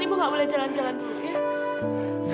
ibu nggak boleh jalan jalan dulu ya